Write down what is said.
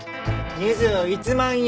２１万円。